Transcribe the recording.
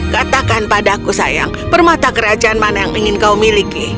katakan padaku sayang permata kerajaan mana yang ingin kau miliki